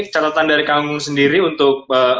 catatan dari kang sendiri untuk